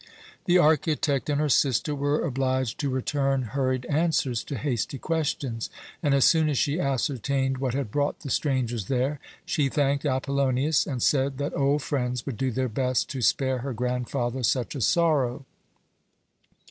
The architect and her sister were obliged to return hurried answers to hasty questions; and as soon as she ascertained what had brought the strangers there she thanked Apollonius, and said that old friends would do their best to spare her grandfather such a sorrow.